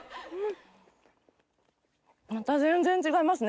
また全然違いますね。